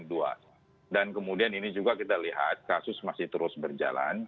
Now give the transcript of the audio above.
dan kemudian ini juga kita lihat kasus masih terus berjalan